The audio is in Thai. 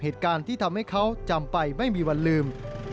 ที่ทำให้เขาจำไปไม่มีวันลืม